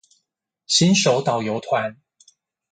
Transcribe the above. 新手導遊團